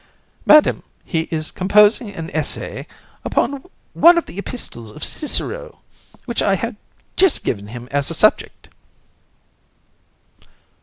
BOB. Madam, he is composing an essay upon one of the epistles of Cicero, which I have just given him as a subject.